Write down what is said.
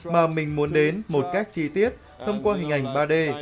mà mình muốn đến một cách chi tiết thông qua hình ảnh ba d